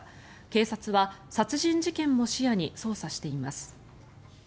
警察は殺人事件も視野に捜査しています。